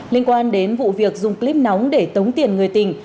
liên quan đến vụ việc dùng clip nóng để tống tiền người tình